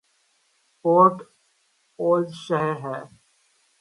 کوٹ ادو شہر ہے